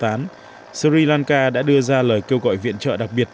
trong năm hai nghìn một mươi bốn sri lanka đã đưa ra lời kêu gọi viện trợ đặc biệt